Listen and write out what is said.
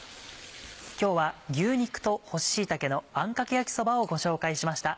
今日は「牛肉と干し椎茸のあんかけ焼きそば」をご紹介しました。